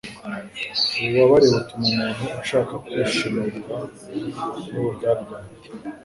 Ububabare butuma umuntu ashaka kwishimagura n' uburyaryate